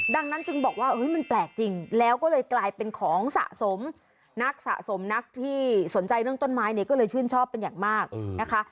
ดังนั้นจึงบอกว่ามันแปลกจริงแล้วก็เลยกลายเป็นของสะสมนักสะสมนักที่สนใจเรื่องต้นไม้เนี่ยก็เลยชื่นชอบเป็นอย่างมากนะคะ